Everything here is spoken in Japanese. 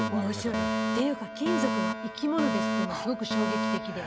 っていうか金属が生き物ですっていうのすごく衝撃的でした。